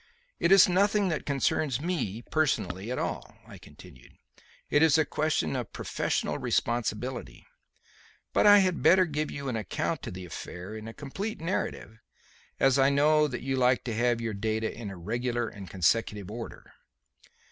"It is nothing that concerns me personally at all," I continued; "it is a question of professional responsibility. But I had better give you an account of the affair in a complete narrative, as I know that you like to have your data in a regular and consecutive order."